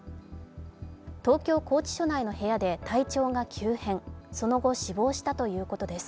東京拘置所内の部屋で体調が急変、その後死亡したということです。